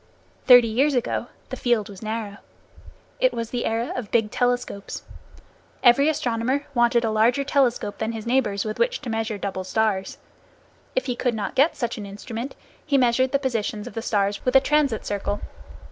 Thirty years ago the field was narrow. It was the era of big telescopes. Every astronomer wanted a larger telescope than his neighbors, with which to measure double stars. If he could not get such an instrument, he measured the positions of the stars with a transit circle.